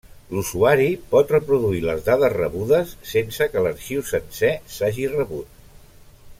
L'usuari pot reproduir les dades rebudes, sense que l'arxiu sencer s'hagi rebut.